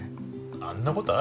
あんなことある？